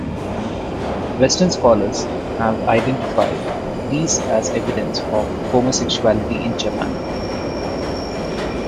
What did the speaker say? Western scholars have identified these as evidence of homosexuality in Japan.